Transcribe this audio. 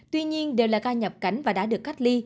tuy nhiên đều là ca nhập cảnh và đã được cách ly